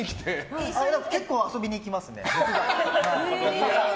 結構、遊びに行きますね、僕が。